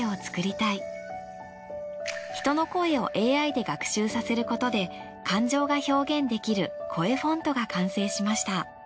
人の声をＡＩで学習させることで感情が表現できるコエフォントが完成しました。